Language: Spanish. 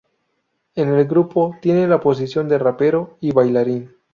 En el grupo tiene la posición de rapero y bailarín.